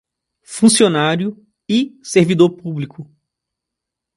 Funcionário e servidor público